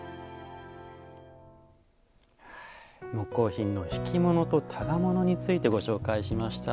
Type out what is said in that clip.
木工品の挽物と箍物についてご紹介しました。